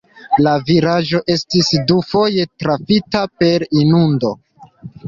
La vilaĝo estis dufoje trafita per inundo.